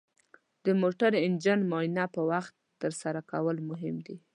د موټر انجن معاینه په وخت ترسره کول مهم دي.